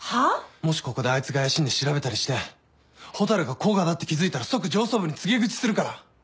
もしここであいつが怪しんで調べたりして蛍が甲賀だって気付いたら即上層部に告げ口するから。